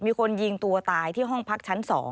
มีคนยิงตัวตายที่ห้องพักชั้น๒